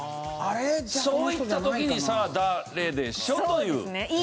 そういった時にさあ誰でしょう？という。